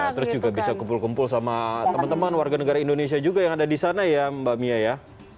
terus juga bisa kumpul kumpul sama teman teman warga negara indonesia juga yang ada di sana ya mbak mia ya